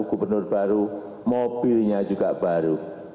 gubernur baru mobilnya juga baru